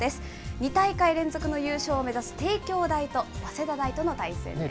２大会連続の優勝を目指す帝京大と、早稲田大との対戦です。